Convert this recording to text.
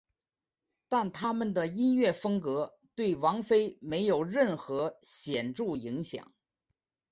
但他们的音乐风格对王菲没有任何显着影响。